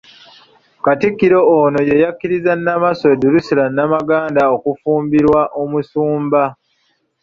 Katikkiro ono ye yakkiriza Nnamasole Drusilla Namaganda okufumbirwa omusumba.